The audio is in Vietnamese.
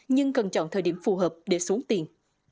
nhưng cần chọn thời điểm phù hợp để xuống tiền